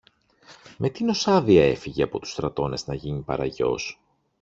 Με τίνος άδεια έφυγε από τους στρατώνες να γίνει παραγιός;